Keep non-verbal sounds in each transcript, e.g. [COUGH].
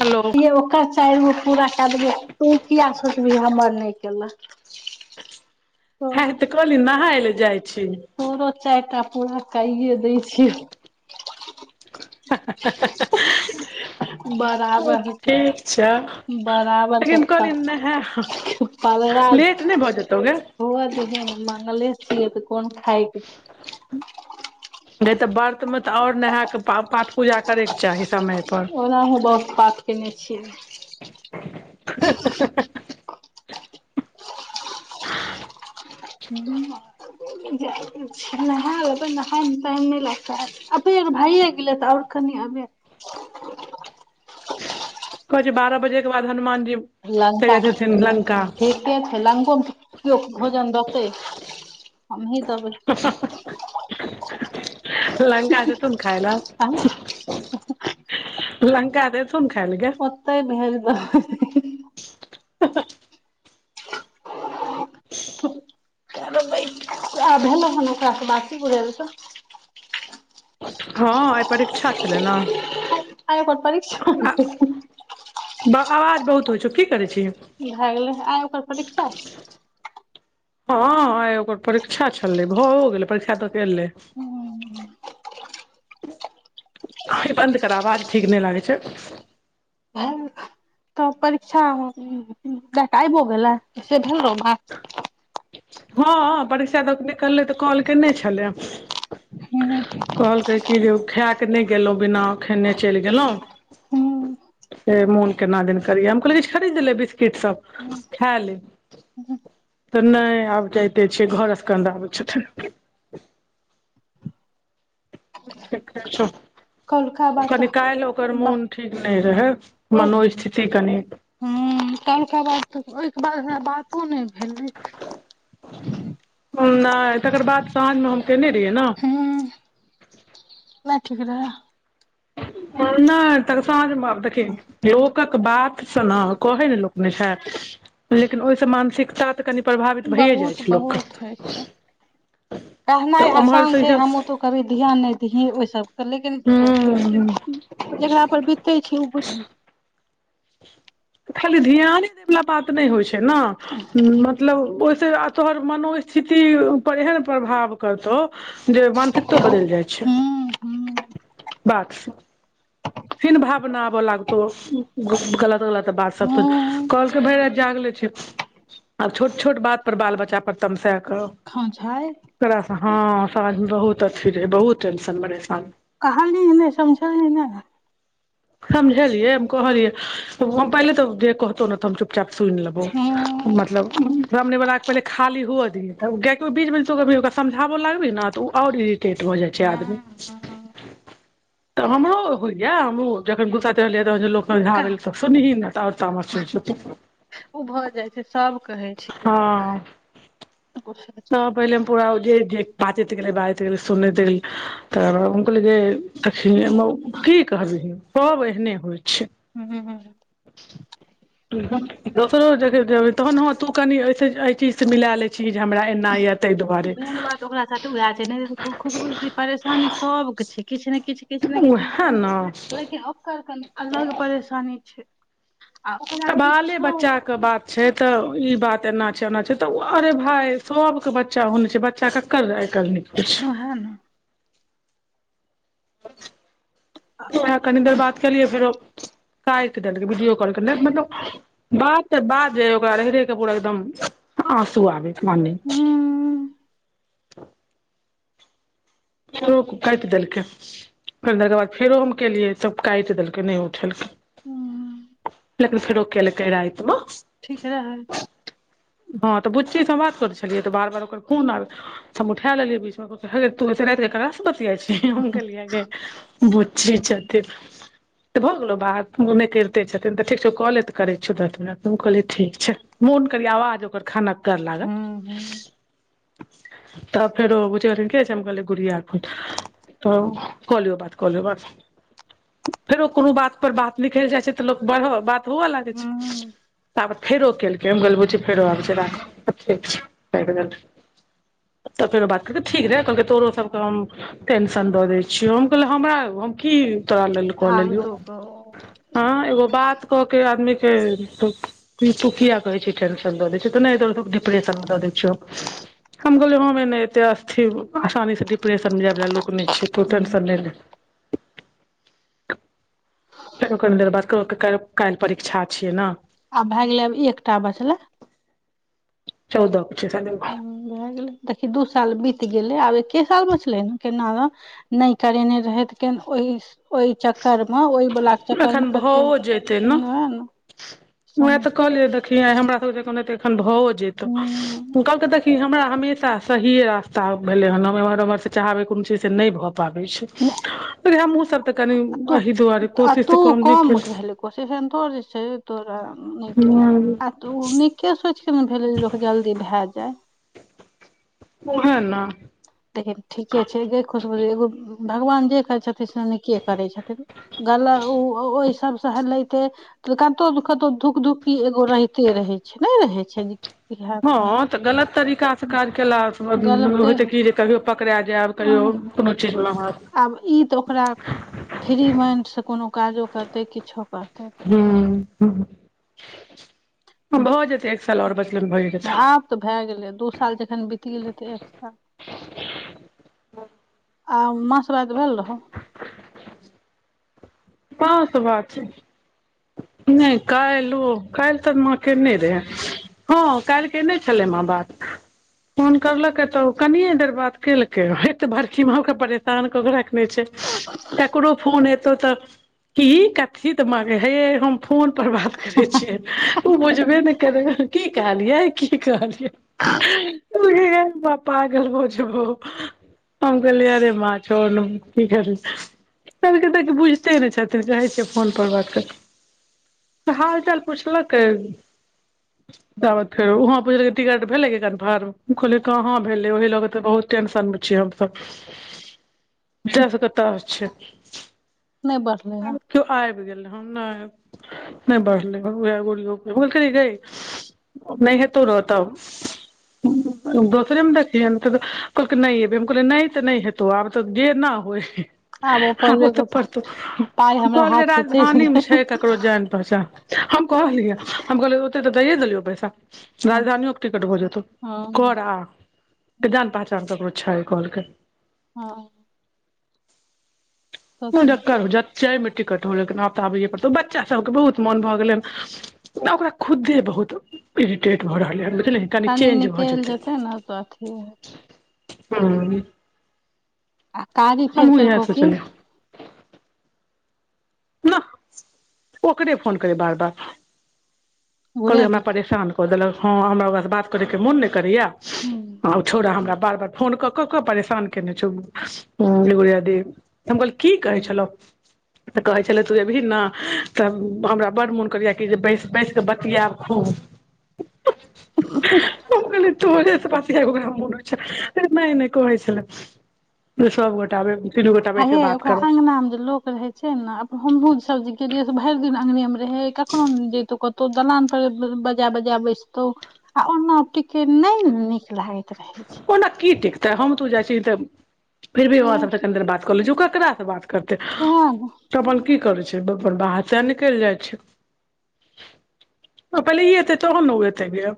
Hello ओकर चाइर गो पूरा कैदेबै तू किया सोचे भी हमर नहि केलक [INAUDIBLE] हे तोरो तऽ कहली नहाय ले जाइ छी तोरो चार टा पूरा कइए दै छियै बराबर [UNINTELLIGIBLE] [INAUDIBLE] ठीक छै बराबर [INAUDIBLE] कहली नेहैब लेट नै भऽ जेतौ गे हु अ दहीन मंगले छियै तऽ कोन खाय केँ छै उँ नहि तऽ व्रतमे तऽ आओर नहा क पाठ पूजा करैके चाही समय छल श ल ऋ बहुत पाठ कयने छियै धरोहर [INAUDIBLE] [INAUDIBLE] [INAUDIBLE] नहाय लेतै नहाायमे टाइम नहि लगतै अति अहिं भाइए गेलै तऽ आओर कनि अबे कह छै बारह बजे के बाद हनुमान जी चलि लंका जाइत छथिन लंका के छै लंको मे त कियो भोजन देतै हम सही देबै हँ हँ हँ लंका जेतुन खाय ले अहँ लङका स एथुन खाय ले गे [UNINTELLIGIBLE] [UNINTELLIGIBLE] [UNINTELLIGIBLE] भेलो हन ओकरा सन बात कि भेलै ओत हँ आइ परीक्षा छलै ने, आइ ओकर परीक्षा ब आवाज बहुत होइछौ भए गेलै आइ ओकर परीक्षा छै हँ हँ आइ ओकर परीक्षा छलै भऽ गेलै परीक्षा दऽ कऽ एलै हू उ बन्द कर वाज ठीक नैं लागै छै [INAUDIBLE] तऽ परीक्षा दके आइबो गेलै से भेलै ने हँ परीक्षा तऽ कऽ निकललै तऽ कॉल केने छलै कहलकै की जे ओ खैय कऽ नहि गेलहु बिना खेने चैल गेलौ हूँ ओ मन केना दन करियै हम कहलिय किछु खरीदले बिस्किट सब खा ले तऽ नहि आब जाइते छियै घरे पर कनी रहबै छुछुन कौलका बात कनी काल्हि ओकर बा मोन ठीक नै रहै मनोस्थिति कनी कैलका बाद ओहिके बाद हमरा बात कहाँ नहि भेलै ओहनाए तकर बाद साँझमे हम केममफ आ ऋ [INAUDIBLE] [UNINTELLIGIBLE] सुनाउ कहै ने लोक ने छै लेकिन ओहिसँ मानसिकता तऽ कनि प्रभावित भइए जाइ बहुत छै लोकके बहुत होइ छै कहनाइ तऽ ओमहर आसान स इ छै सब हमहूँ तो कभी ध्यान नहि दही ओहि सबके लेकिन हूँ जेकरा पर बीिते छै ऊभूज बुझैत छै खाली ध्याने देैवाला बात नै होइ छै ने मतलब ओहिस तोहर मनोस्थिति पर एहन प्रभाव करतौ जे मानसिकतो बदैल जाइ छै हूँ हूँ [INAUDIBLE] फीन भावनाबऽ लागतो गलत गलत बात सब हूँ कलके भरि रति जाग ले छै आ छोट छोट बात पर बाल बच्चा पर तमसा कर खा छैाय ास हँ साँझ मे बहुत अच्छी रहै बहुत टेंशन ब रहे साँझ कहल नहि समझल नहि नहि समझलियै कहलियै पहिले तऽ जे कहतौ ने त चुप चप सु लेबो हूँ मतलब रामने बालाक के पहिले खाली हुअ दीै तब गायके बीच बरा समझाबऽ लागबही ने तऽ ओ आओर स्ेट भ जाइ हँ हँ छै जखन गुसा रहलिय त लोक ओका झाब ल त सुी आओर ताम ओ भऽ जाइ छै सब कहै छछ [UNINTELLIGIBLE] तखिन म की कहबी पब एहने होइ छै [UNINTELLIGIBLE] दोसरो जगह जेबै एना यय तऽ इ दुआरे मेन बात ओकरा साथे उएह छै नहि खुशबू दीदी परेशानी सबके छै किछु ने उएह किछु ने अलग परेशानी छै आ ओकरा त बाले किछो बच्चाे बात छै तऽ ई बात एना छै ओना छै तऽ अरे भाय सभके बच्चा होन छै बच्चा ककर आइकाल्हि न [INAUDIBLE] ह कनी देर बात कलियै फेरो क एकडके वीडियो कॉल करने मतलब [UNINTELLIGIBLE] बाद त बाद जे ओकरा ररे के पूरा एकदम आँसू आबै पान हूँ फेरो काटि देलकै फ त बाद फेरो हम केलियै तब काटि देलकै नहि हूँ उठेलकै लक ख ओके ल कैरा आयत म ठीक रहै हँ तऽ बुच्चीसँ बात करै छलियै तऽ बार बार ओकर खून आब हम उठा ल लेलैचे र कास से बतििया छै हम कहलि आगे ब्ची छथि तऽ भऽ गेलौ बाहर नहि करिते छथिन तऽ ठीक छौ मोन करी आवाज ओकर खनक कर हूँ हूँ लागत तऽ फेर बुझ करथिन कि कहै गुरी आर फु तऽ क लियौ बात क लियौ बात फेरो कोनो बात परर बात निकल जाइत छै तऽ लोक बढ़ बात ह लाग छै हूँ तब फेरो केलकै फेरो आब राख ठीक तऽ फेरो बात कहलकै ठीक रहे कहलकै तोरो टेंशन दऽ दै छीिय हम कहल हमरा हम की तोरा लेलहु [UNINTELLIGIBLE] [INAUDIBLE] हँ एगो बात क के आदमी केुकिया कहे छै दऽ दै छौ तऽ नहि िप दऽ दै छ हम गोे ह ने एते स्थि आसानी से डि्रेशन मे जाय ला लोग नि तूत ने हूँ सन ने [INAUDIBLE] फो कनि देर बाद काल्हि परीक्षा छियै ने आब भए गेलै आब एकटा बचला। चौद छै। शायद भए गेलै देखी दू साल बीत गेलै आब एकके साल बचलै ने केना र नहि करेने रहैथ ओहि चक्कर मे ओहि। बोल के चक्करमे एखन भओ कते जेतै वेह नहि समय। कहलि देखीलिये हमरा सभजेकाँ एखन भव जेत ओ हूँ कहलकै देखी हमरा हमेशा। सहि रास्ता भेले हन एम्हर उमहर से चाहबे कोनो चीज से नहि भए पाबे छै। अरे हम्हु सभ त कनी अ। अ तू कम भेलै कोशिन ने तो जे छै तोरा नहि केल। केलहुँ ओ नीके सोचिके ने भेलै जे लोक जल्दी भए जाय। ओ हा न देखहिन ठीके छै ग खुशबु एगो भगवान जे करै छथिन। से निके करै छथिन गल ओ ओहि सभसँ हेलैते। त कतो कतो धुकधुकि एगो रहिते रहै छै नहि रहै छै जे। हँ तऽ गलत तरीका से काज केला स गलते होइ छै की जे। कहियो पकड़ा जायब कहियो ओह कोनो चीजमे अह आब ई तऽ ओकरा फ्री माइंड से कोनो काजो करते किछो करते। भऽ जेतै एक साल आओर बचलेमे भए जेते। आब तऽ भेए गेलै दू साल जखन बीत गेलै त एक साल। आ माँ से बात भेल रहौ। माँ से बात नहि कायलो कैल त माँ केने रहे। हँ काल्हि केने छलै माँ बात। फोन करलकै त कनिये देर बात केलकै फेर तऽ बरकी माँ के परेशान क के रख ने छै। अच कुनो फोन एतौ तऽ कि कथी तऽ माँ गे हे हम फोन पर बात करे छियै ओ बुझबे ने करै। कि कहलियै कि कहलियै। उहेलेल पागल भऽ जबौ। हम कहलीयै अरे मे छोड़ु ने की करबै आइ काइल त बुझते छिये। रहै छियै फोन पर बात करु तऽ हाल चाल पुछल कै। [INAUDIBLE] तावत फेर वहाँ पुछल कै टिकट भेले कि कनफार्म हम कहलिये कहा भेलैह वहि लऽ कऽ तऽ बहुत टेंशन मे छिऐ हमसभ। [INAUDIBLE] चास कतऽ आ छै। नहि बढ़ले हे ताबत केओ आइब गेले हन नहि नहि बढ़ले उहै गोलियो बोल खेल्हि गे। नहि हे तो ने तब। दोसेरे मे देखियै तऽ कहल के नहि फेर हम कहलिये नहि त नै। तो आब तऽ जेना होइ। आबो कऽ ले गप। कहलिकै राजधानी मे छै। ककरो जान पहचान हम कहलियै हम कहलियै। ओते तऽ दऽ ये देलियऔ पैसा राजधानिओ के टिकट भऽ जेतौ हँ कर आब। ऐते जान पहचान ककरो छै कहलके। हँ कोन तऽ जक्कर हो जच्चेमे टिकट हो लेकिन आब त आबैए पड़तौ बच्चा सभके बहुत मोन भ गेल हन। ओकरा खुद्दे बहुत इरिटेट भऽ रहलै हे बुझलिहिन। संगे निकैल जेतै ने त ठीक हैं हू आ कारी फेर इएह केलकौ कि सोचलियै ना ओकरे फोन करै बार बार कहलियै घुरे हमरा दी परेशान कऽ देलक हँ हमरा ओकरासँ बात करे के मोन नहि करैया। आ छोड़ हमरा बर फोन कऽ कऽ कऽ परेशान केने छौ हम कहलिए की कहै छलहु तऽ कहै छलै तू अबही ने तऽ हमरा बड्ड मोन करैएा कि जे बैस बैस बतीयाब खूब हम कहलिए तोहरे से बात [UNINTELLIGIBLE] बैस हे कऽ ओकरा करब अंगना मे जे लोक रहै छै ने अब हमहुँ सभ जे गेलिए से भरि दिन अंगने मे रहे कखनो नय जतौ कत तो दलान पर बजाय बजाय बैसतो आ ओना ठीके नहि निक लागे। ओना की टिकते हम तू जाइ छी तऽ फिर भी बाबा सभ से कनी देर बात क ले छी ओ ककरा स बात करते। ना तऽ अपन की करै छै अपन बाहर ते निकलि जाइत छै। पहिले एते तहन न ऊ एते जे।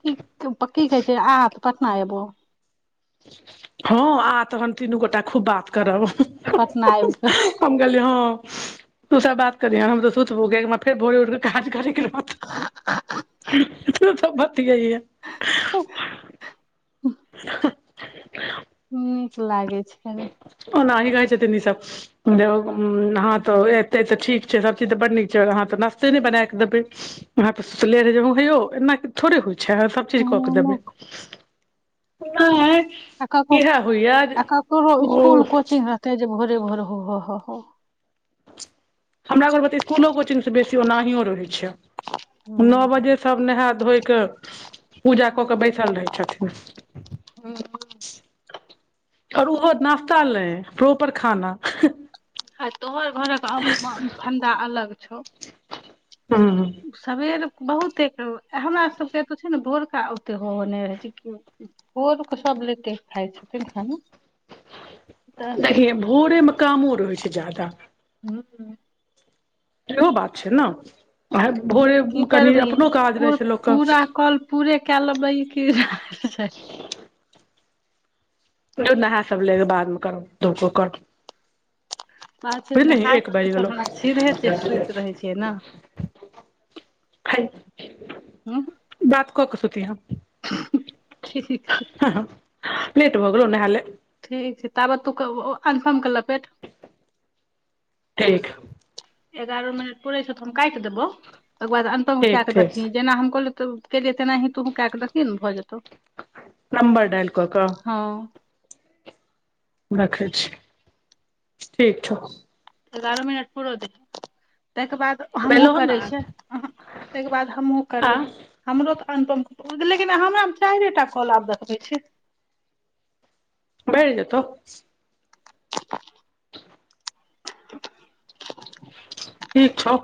कि कहे छै आ पटना एबो हँ आ तहन तीनू गोटा खूब बात करब। पटना आबि क हम कहलिए हँ तू सभ बात करिहे हम त सुतबो किया कि हमरा फेर भोरे उठ के तू सभ बतीयेहन [UNINTELLIGIBLE] [UNINTELLIGIBLE] नीक लागै छै ने। ओनाहि रहे छथिन ई सभ हँ तऽ एते तऽ ठीक छै सभ चीज तऽ बड नीक छै अहाँ तऽ नाश्ते ने बना क देते सुतले रहे जे हे यौ एना थोड़े होइ छै सभ से कऽ कऽ दबै इहे होइय ओहो स्कूल कोचिंग रहते जे भोरे भोरे हो हो हो हो हमरा घर मे त स्कूलों कोचिंग से बेसी ओनाहियो रहै छै नो हँ बजे सभ नहा धोइ के पूजा क के बै बैसल रहै छथिन। ह और ओहो नाश्ता ल नय प्रॉपर खाना। ह तोहर घरक और फंदा अलग छौ हू सबेर बहुते के हमरा सभके एतो छै ने भोरका ओते हो हो ने रहै छै। भोर के सभ लेटे खाइ छथिन खाना। तऽ देखी भोरे मे कामो रहै छै जादा [UNINTELLIGIBLE] सेहो बात छै ने भोरे की कनि करबिही अपनो काज रहै पूर- छै लोक के। पूरा कॉल पूरे क लेबै ई कि जो नहा सभ लेले बाद मे करब पाछे नहा एक के बैज तऽ गेलो हम सीधे जे सुति रहै छियै ने [UNINTELLIGIBLE] हू बात कऽ के सुतिहाँ ठीक छै हँ लेट भऽ गेलो नहाले ठीक छै ताबत तू कन्फर्म कल पेट। ठीक। एगारह मिनट पूरे छै तो हम काटि देबो तकर बाद अन्तमे ठीक के ठीक देखी जेना हम कहलहु त केलियै तेनाही तो कऽ देखथिय ने भऽ जेतौ नंबर डायल कऽ कऽ हँ। रखै छी, ठीक छौ एगरह मिनट पूरो दीही तय के बाद। हमहूँ बेलहो ने करै छियै आहा ताहि के बाद हमहूँ आ करबै। हमरो तऽ अनुपम लेकिन हमरा चारिए टा कॉल आब देखबै छी। भेर जे तऽ [UNINTELLIGIBLE] ठीक छौ।